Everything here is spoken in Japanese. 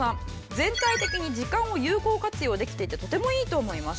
「全体的に時間を有効活用できていてとてもいいと思います。